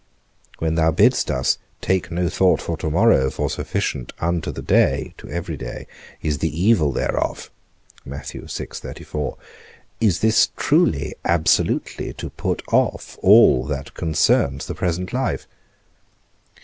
When thou bidst us take no thought for to morrow, for sufficient unto the day (to every day) is the evil thereof, is this truly, absolutely, to put off all that concerns the present life?